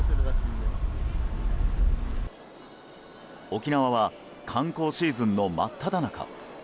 沖縄は観光シーズンの真っただ中。